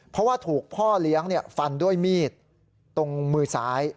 เพราะว่าถูกพ่อเลี้ยงฟันด้วยมีดตรงมือซ้าย